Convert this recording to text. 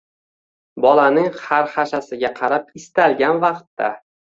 • Bolaning xarxashasiga qarab istalgan vaqtda